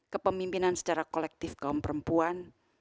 kepemimpinan secara kolektif kaum perempuan